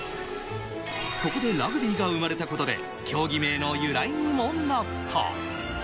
ここでラグビーが生まれたことで、競技名の由来にもなった。